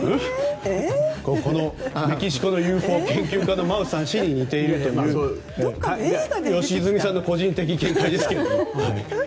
このメキシコのＵＦＯ研究家のマウサン氏に似ているという良純さんの個人的見解ですけれども。